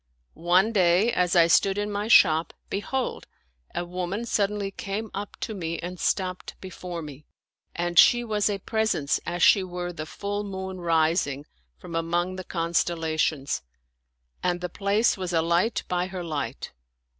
One day, as I stood in my shop, bdiold, a woman suddenly came up to me and stopped before me ; and she was a pres ence as she were the full moon rising from among the con stellations, and the place was a light by her light.